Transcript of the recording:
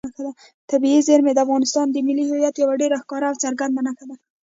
طبیعي زیرمې د افغانستان د ملي هویت یوه ډېره ښکاره او څرګنده نښه ده.